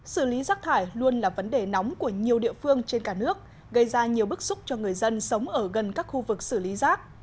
xử lý rác thải luôn là vấn đề nóng của nhiều địa phương trên cả nước gây ra nhiều bức xúc cho người dân sống ở gần các khu vực xử lý rác